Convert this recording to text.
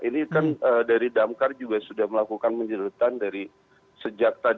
ini kan dari damkar juga sudah melakukan penjerutan dari sejak tadi